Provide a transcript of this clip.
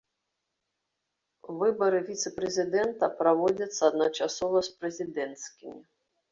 Выбары віцэ-прэзідэнта праводзяцца адначасова з прэзідэнцкімі.